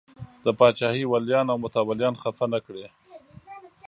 د پاچاهۍ ولیان او متولیان خفه نه کړي.